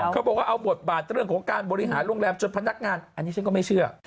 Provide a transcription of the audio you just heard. เขาบอกว่าเอาบทบาทเรื่องของการบริหารโรงแรมจนพนักงานอันนี้ฉันก็ไม่เชื่อ